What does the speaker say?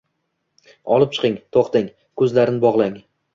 Olib chiqing. To’xtang, ko’zlarin bog’lang…